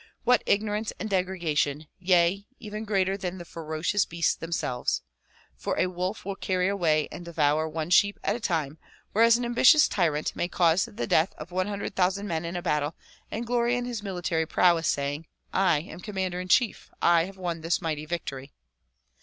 What ignorance and degradation, yea even greater than the ferocious beasts themselves! For a wolf will carry away and devour one sheep at a time whereas an ambitious tyrant may cause the death of one hundred thousand men in a battle and glory in his military prowess saying " I am commander in chief ; I have won this mighty victory."